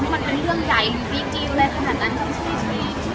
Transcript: คุณอย่างเกิดมีเมื่อไหร่